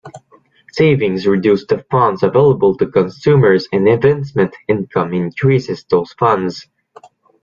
Savings reduce the funds available to consumers and investment income increases those funds.